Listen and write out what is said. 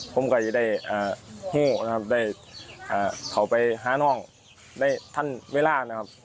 ผมก็จะได้ห่วงได้เผาไปห้าน่องได้ท่านเวลา